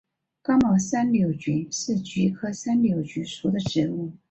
刚毛山柳菊是菊科山柳菊属的植物。